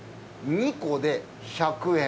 ２個で１００円。